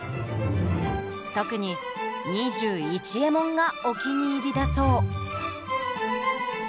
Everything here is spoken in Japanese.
特に「２１エモン」がお気に入りだそう。